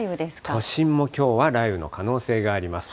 都心もきょうは雷雨の可能性があります。